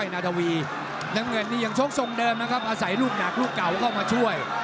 น้ำเงินที่ยังโชคทรงเดิมนะครับอาศัยรูปหนักรูปเก่าเข้ามาช่วย